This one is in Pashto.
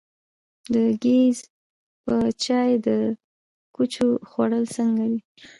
د ګیځ په چای د کوچو خوړل څنګه دي؟